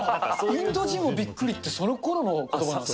インド人もびっくりって、そのころのことばなんですか。